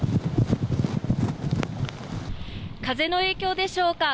風の影響でしょうか。